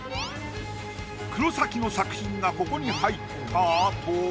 黒崎の作品がここに入った後。